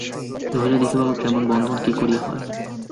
নহিলে দেখিবামাত্র এমন বন্ধন কী করিয়া হয়।